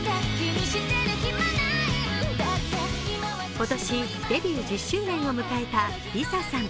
今年、デビュー１０周年を迎えたＬｉＳＡさん。